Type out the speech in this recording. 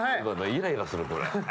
イライラするこれ。